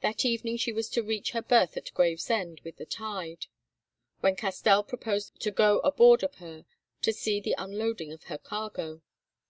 That evening she was to reach her berth at Gravesend with the tide, when Castell proposed to go aboard of her to see to the unloading of her cargo.